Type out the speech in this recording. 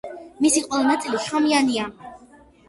მისი ყველა ნაწილი შხამიანია.